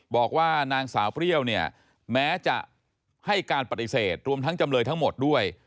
บอกว่านางสาวเปรี้ยวเนี่ยแม้จะให้การปฏิเสธรวมทั้งจำเลยทั้งหมดด้วย